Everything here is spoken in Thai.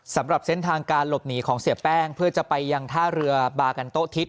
สำหรับเส้นทางการหลบหนีของเสียแป้งเพื่อจะไปยังท่าเรือบากันโต๊ทิศ